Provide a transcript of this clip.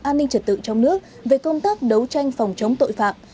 an ninh trật tự trong nước về công tác đấu tranh phòng chống tội phạm